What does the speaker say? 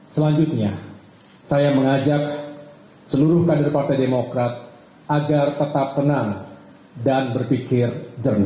selanjutnya saya mengajak seluruh kader partai demokrat agar tetap tenang dan berpikir jernih